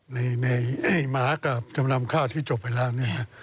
ในหมากับจำนำข้าวที่จบไปแล้วเนี่ย